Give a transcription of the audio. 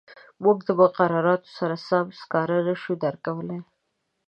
موږ د مقرراتو سره سم سکاره نه شو درکولای.